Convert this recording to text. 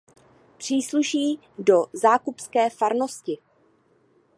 Přísluší do zákupské farnosti.